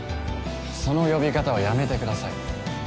その呼び方はやめてください。